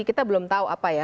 kita belum tahu apa ya